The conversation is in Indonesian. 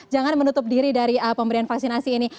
jangan menutup diri dari pemberian vaksinasi ini